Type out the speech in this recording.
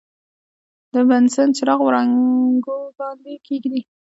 د بنسن چراغ وړانګو باندې یې کیږدئ.